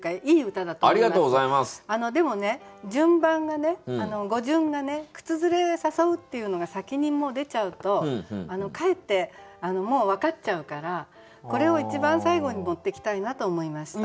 でも順番が語順が「靴ずれ誘う」っていうのが先に出ちゃうとかえってもう分かっちゃうからこれを一番最後に持ってきたいなと思いました。